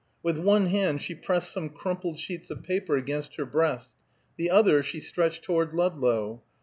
With one hand she pressed some crumpled sheets of paper against, her breast; the other she stretched toward Ludlow.